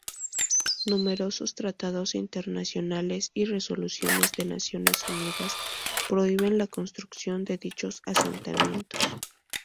Numerosos tratados internacionales y resoluciones de Naciones Unidas prohíben la construcción de dichos asentamientos.